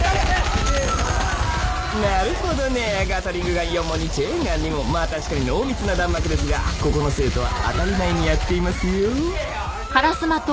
なるほどねえガトリングガン４門にチェーンガン２門まあ確かに濃密な弾幕ですがここの生徒は当たり前にやっていますよ